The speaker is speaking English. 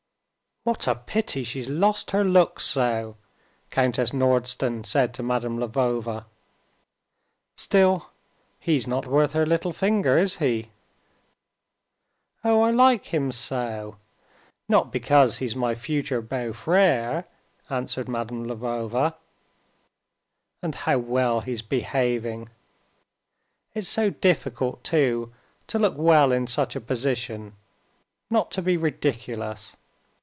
"What a pity she's lost her looks so," Countess Nordston said to Madame Lvova. "Still he's not worth her little finger, is he?" "Oh, I like him so—not because he's my future beau frère," answered Madame Lvova. "And how well he's behaving! It's so difficult, too, to look well in such a position, not to be ridiculous.